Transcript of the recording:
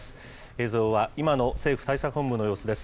映像は今の政府対策本部の様子です。